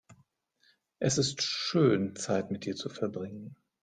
Es ist schön, Zeit mit dir zu verbringen.